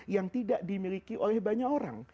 yang tidak dimiliki oleh banyak orang